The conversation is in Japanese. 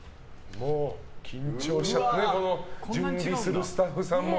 緊張しちゃってね準備するスタッフさんも。